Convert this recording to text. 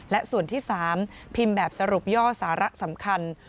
และส่วนที่๓พิมพ์แบบสรุปย่อสาระสำคัญ